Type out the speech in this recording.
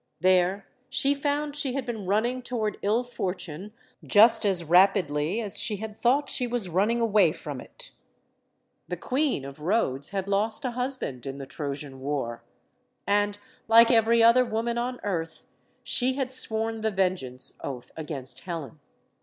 There she found she had been running toward ill fortune just as rapidly as she had thought she was running away from it. The Queen of Rhodes had lost a husband in the Trojan war. And, like every other woman on earth, she had sworn the vengeance oath against Helen.